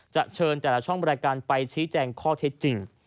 เชิญแต่ละช่องบริการไปชี้แจงข้อเท็จจริง